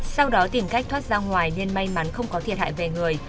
sau đó tìm cách thoát ra ngoài nên may mắn không có thiệt hại về người